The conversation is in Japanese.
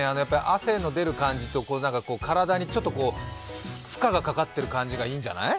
汗の出る感じと体にちょっと負荷がかかってる感じがいいんじゃない？